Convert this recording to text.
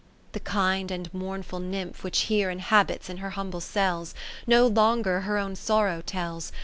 n The kind and mournfulnymph which here Inhabits in her humble cells. No longer her own sorrow tells.